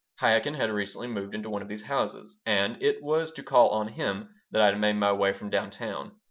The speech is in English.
Chaikin had recently moved into one of these houses, and it was to call on him that I had made my way from down town.